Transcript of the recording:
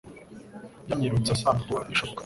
Yanyirutse ansanga vuba bishoboka